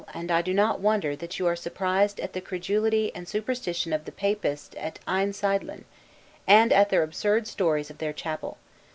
and I do not wonder that you are surprised at the credulity and superstition of the Papists at Einsiedlen, and at their absurd stories of their chapel.